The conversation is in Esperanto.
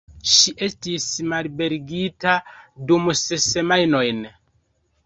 Ŝi estis malliberigita dum ses semajnojn.